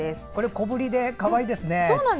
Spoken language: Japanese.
小ぶりでかわいいですね。